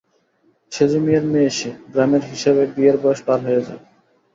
সেঝো মিয়ার মেয়ে সে, গ্রামের হিসাবে বিয়ের বয়স পার হয়ে যায়।